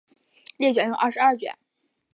列传有二十二卷。